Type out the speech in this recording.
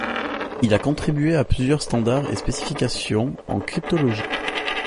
Il a contribué à plusieurs standards et spécifications en cryptologie.